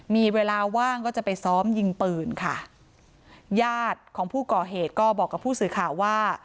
มีเวลาว่างก็จะไปซ้อมยิงปืนค่ะญาติของผู้ก่อเหตุก็บอกกับผู้สื่อข่าวว่า